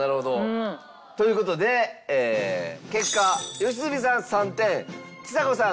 うん。という事で結果良純さん３点ちさ子さん